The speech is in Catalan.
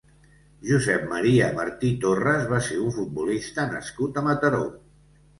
Josep Maria Martí Torres va ser un futbolista nascut a Mataró.